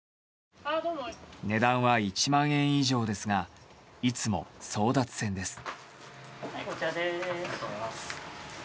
値段は１万円以上ですがいつも争奪戦です。